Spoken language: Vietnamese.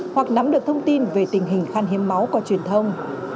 hoặc nắm được thông tin về tình hình khăn hiếm máu qua truyền thông